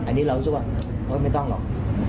อันนี้เรารู้สึกว่าโอ๊ยไม่ต้องหรอก